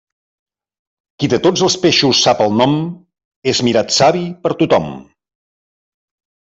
Qui de tots els peixos sap el nom, és mirat savi per tothom.